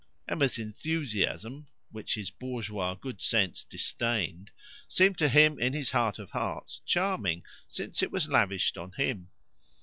Emma's enthusiasm, which his bourgeois good sense disdained, seemed to him in his heart of hearts charming, since it was lavished on him.